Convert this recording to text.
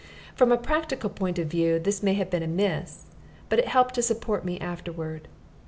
From a practical point of view this may have been amiss, but it helped to support me afterward.